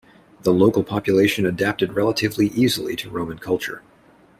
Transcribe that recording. The local population adapted relatively easily to Roman culture.